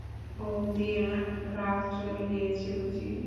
বৌদিদির রাগ চলে গিয়েছে বুঝি?